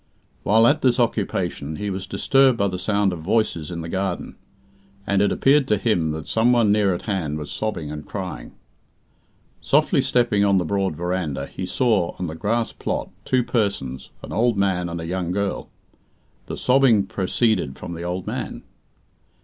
While at this occupation, he was disturbed by the sound of voices in the garden, and it appeared to him that someone near at hand was sobbing and crying. Softly stepping on the broad verandah, he saw, on the grass plot, two persons, an old man and a young girl. The sobbing proceeded from the old man.